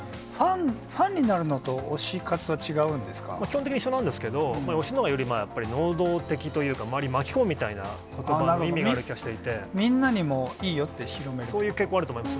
ファンになるのと、推し活は基本的に一緒なんですけど、推しのより能動的というか、周りを巻き込むみたいなことばのみんなにも、いいよって広めそういう傾向はあると思います。